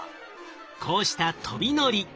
こうした飛び乗り。